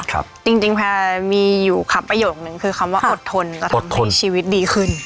ครับจริงจริงแพรมีอยู่คำประโยชน์หนึ่งคือคำว่าอดทนอดทนแล้วทำให้ชีวิตดีขึ้น